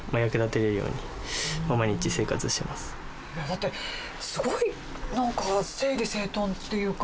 だってすごいなんか整理整頓というか。